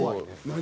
何？